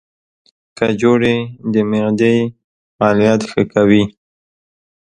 کجورې د معدې فعالیت ښه کوي.